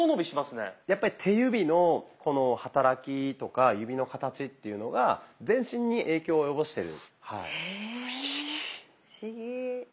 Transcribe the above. やっぱり手指のこの働きとか指の形っていうのが全身に影響を及ぼしてる。